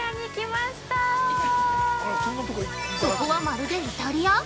そこは、まるでイタリア！？